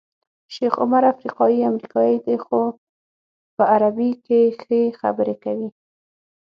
شیخ عمر افریقایی امریکایی دی خو په عربي کې ښې خبرې کوي.